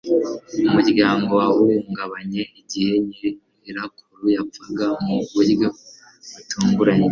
umuryango wahungabanye igihe nyirakuru yapfaga mu buryo butunguranye